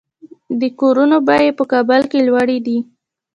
د کورونو بیې په کابل کې لوړې دي